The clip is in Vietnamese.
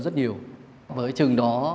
rất nhiều với chừng đó